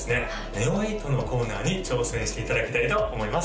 ＮＥＯ８のコーナーに挑戦していただきたいと思います